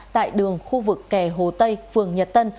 tại đường khu vực kè hồ tây phường nhật tân